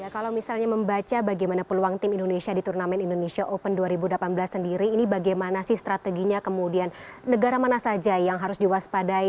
kalau misalnya membaca bagaimana peluang tim indonesia di turnamen indonesia open dua ribu delapan belas sendiri ini bagaimana sih strateginya kemudian negara mana saja yang harus diwaspadai